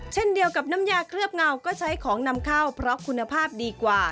เช่นเดียวกับน้ำยาเคลือบเงาก็ใช้ของนำเข้าเพราะคุณภาพดีกว่า